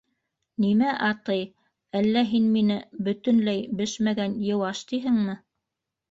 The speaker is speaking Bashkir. Нимә, атый, әллә һин мине бөтөнләй бешмәгән, йыуаш тиһеңме?